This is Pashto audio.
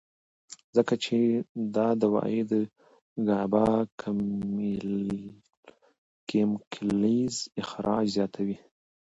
ځکه چې دا دوائي د ګابا کېميکلز اخراج زياتوي